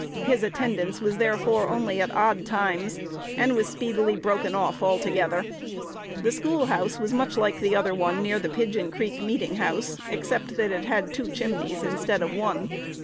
His attendance was therefore only at odd times, and was speedily broken off altogether. The schoolhouse was much like the other one near the Pigeon Creek meeting house, except that it had two chimneys instead of one.